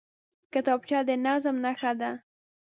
کتابچه د نظم نښه ده